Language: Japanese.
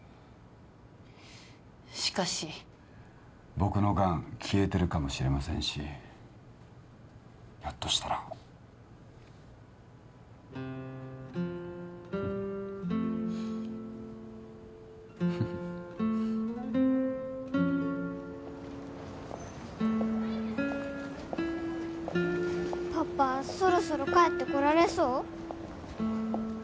しかし僕のがん消えてるかもしれませんしひょっとしたらパパそろそろ帰ってこられそう？